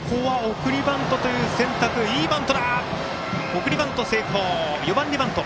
送りバント成功、４番でバント。